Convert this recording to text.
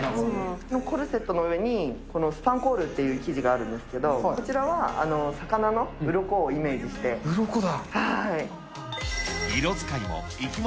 コルセットの上にスパンコールっていう生地があるんですけど、こちらは魚のうろこをイメージしうろこだ。